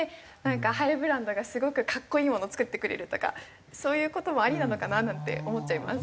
ハイブランドがすごく格好いいものを作ってくれるとかそういう事もありなのかななんて思っちゃいます。